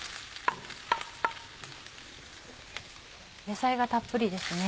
野菜がたっぷりですね。